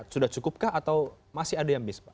sudah cukupkah atau masih ada yang bis pak